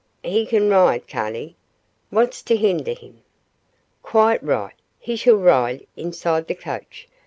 "He c'n ride, cain't he? Wha's to hindeh him?" "Quite right. He shall ride inside the coach.